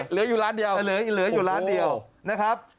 เหลืออยู่ร้านเดียวโอ้โฮนะครับ